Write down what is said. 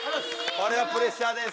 これはプレッシャーです。